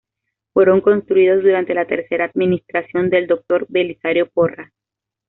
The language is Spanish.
Fueron construidos durante la tercera administración del Dr. Belisario Porras.